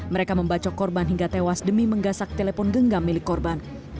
mereka membacok korban hingga tewas demi menggasak telepon genggam milik korban